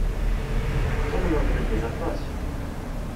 Tettamneḍ medden aṭas.